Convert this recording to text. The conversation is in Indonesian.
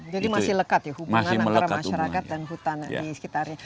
jadi masih lekat ya hubungan antara masyarakat dan hutan di sekitarnya